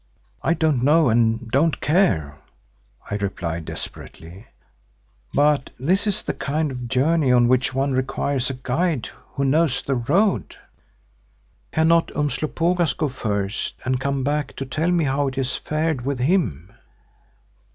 "I don't know and don't care," I replied desperately, "but this is the kind of journey on which one requires a guide who knows the road. Cannot Umslopogaas go first and come back to tell me how it has fared with him?"